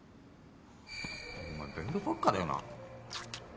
お前勉強ばっかだよな